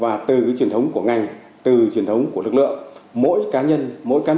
và từ truyền thống của ngành từ truyền thống của lực lượng mỗi cá nhân mỗi cán bộ